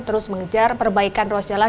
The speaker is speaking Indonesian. terus mengejar perbaikan ruas jalan